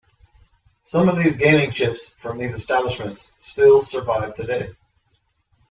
Some of these gaming chips from these establishments still survive today.